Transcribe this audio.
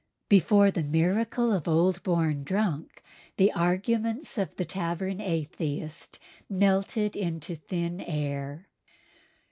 Before the miracle of Old Born Drunk the arguments of the tavern atheist melted into thin air."